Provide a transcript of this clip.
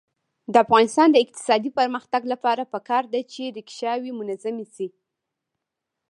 د افغانستان د اقتصادي پرمختګ لپاره پکار ده چې ریکشاوې منظمې شي.